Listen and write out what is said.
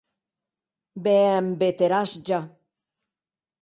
Be èm veterans ja!.